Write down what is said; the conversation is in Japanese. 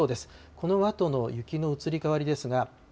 このあとの雪の移り変わりですが。